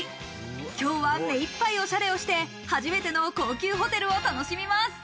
今日は目いっぱいおしゃれをして初めての高級ホテルを楽しみます。